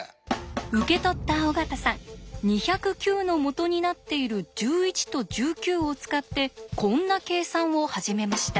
受け取った尾形さん２０９の元になっている１１と１９を使ってこんな計算を始めました。